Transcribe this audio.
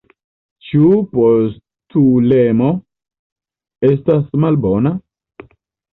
Ĉu postulemo estas malbona?